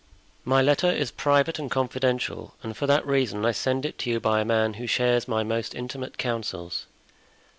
"My letter is private and confidential, and for that reason I send it to you by a man who shares my most intimate counsels.